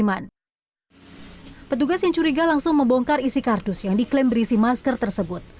petugas yang curiga langsung membongkar isi kardus yang diklaim berisi masker tersebut